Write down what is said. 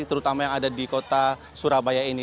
terutama yang ada di kota surabaya ini